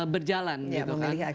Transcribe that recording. berjalan gitu kan